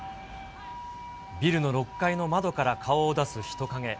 ビルの６階の窓から顔を出す人影。